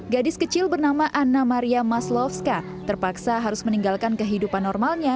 gadis kecil bernama anna maria maslovska terpaksa harus meninggalkan kehidupan normalnya